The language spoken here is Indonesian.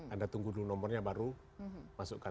anda tunggu dulu nomornya baru masukkan